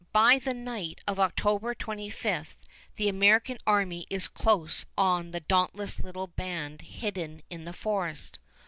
By the night of October 25 the American army is close on the dauntless little band hidden in the forest.